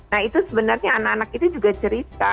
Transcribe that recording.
nah itu sebenarnya anak anak itu juga cerita